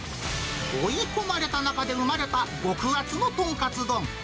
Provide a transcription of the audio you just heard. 追い込まれた中で生まれた極厚のとんかつ丼。